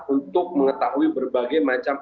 untuk mengetahui berbagai macam